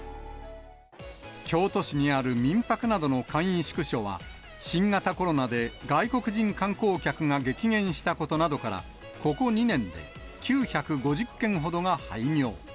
京都市にある民泊などの簡易宿所は、新型コロナで外国人観光客が激減したことなどから、ここ２年で９５０軒ほどが廃業。